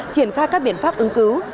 triển khai các biện pháp ứng cứu